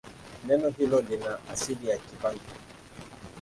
Neno hilo lina asili ya Kibantu.